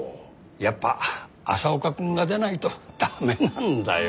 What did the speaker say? やっぱ朝岡君が出ないと駄目なんだよ。